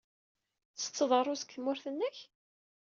Tettetteḍ ṛṛuz deg tmurt-nnek?